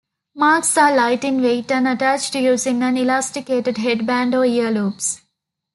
Masks are light in weight and attached using an elasticated headband or ear loops.